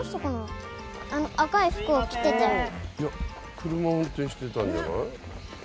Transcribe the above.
車を運転してたんじゃない？